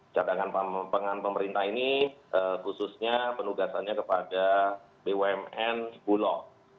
cadangan pangan pemerintah ini khususnya penugasannya kepada bumn bulog